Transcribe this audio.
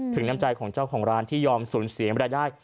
น้ำใจของเจ้าของร้านที่ยอมสูญเสียรายได้